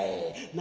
何？